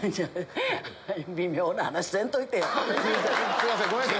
すいませんごめんなさい！